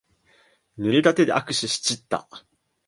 ぬれた手で握手しちった。